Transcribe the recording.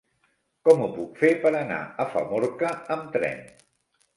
Com ho puc fer per anar a Famorca amb tren?